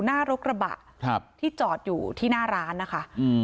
หน้ารกระบะครับที่จอดอยู่ที่หน้าร้านนะคะอืม